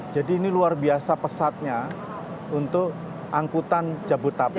jadi ini luar biasa pesatnya untuk angkutan jabut tape